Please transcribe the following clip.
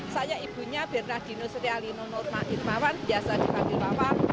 saya ibunya bernadino setialino nurma irmawan biasa dipanggil bawan